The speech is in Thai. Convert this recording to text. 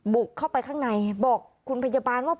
บุกเข้าไปข้างในบอกคุณพยาบาลว่า